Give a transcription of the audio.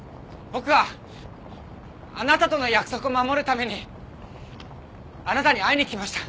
僕はあなたとの約束を守るためにあなたに会いにきました。